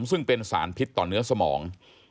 ซึ่งเป็นสารพิษต่อเนื้อสมอง